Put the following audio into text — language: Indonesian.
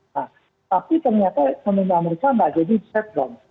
nah tapi ternyata kemungkinan mereka tidak jadi di shutdown